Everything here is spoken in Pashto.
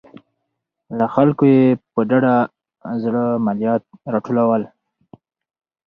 له خلکو یې په ډاډه زړه مالیات راټولول